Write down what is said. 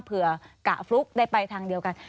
เผื่อกะฟลุ๊กได้ไปทางเดียวกัน